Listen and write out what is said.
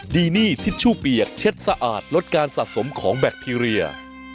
ดีนี่ทิชชู่เปียกเช็ดสะอาดลดการสะสมของแบคทีเรีย